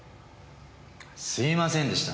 すいませんでした。